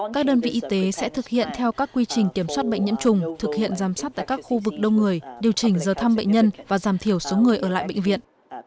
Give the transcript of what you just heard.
các đơn vị y tế sẽ thực hiện theo các quy trình kiểm soát bệnh nhiễm trùng thực hiện giám sát tại các khu vực đông người điều chỉnh giờ thăm bệnh nhân và giảm thiểu số người ở lại bệnh viện